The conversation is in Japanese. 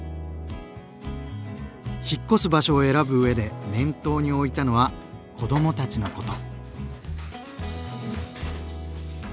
引っ越す場所を選ぶうえで念頭に置いたのは子どもたちのこと。